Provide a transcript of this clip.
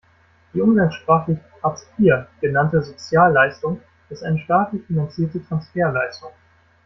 Die umgangssprachlich Hartz vier genannte Sozialleistung ist eine staatlich finanzierte Transferleistung.